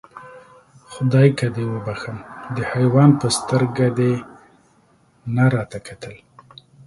خدایکه دې وبښم، د حیوان په سترګه دې نه راته کتل.